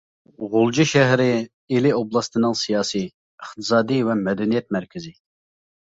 غۇلجا شەھىرى ئىلى ئوبلاستىنىڭ سىياسىي، ئىقتىسادىي ۋە مەدەنىيەت مەركىزى.